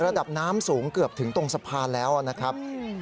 ระดับน้ำสูงเกือบถึงตรงสะพานแล้วนะครับ